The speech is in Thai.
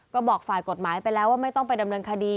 ก็บอกฝ่ายกฎหมายไปแล้วว่าไม่ต้องไปดำเนินคดี